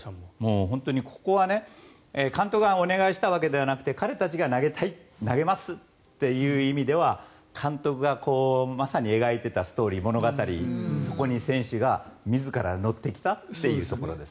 ここは監督がお願いしたわけではなくて彼たちが投げたい、投げますっていう意味では監督がまさに描いていたストーリー、物語そこに選手が自ら乗ってきたと。